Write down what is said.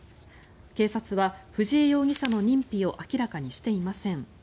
警察は、藤井容疑者の認否を明らかにしていません。